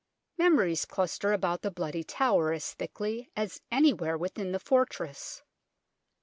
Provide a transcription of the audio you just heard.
Memories cluster about the Bloody Tower as thickly as anywhere within the fortress.